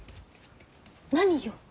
何よ。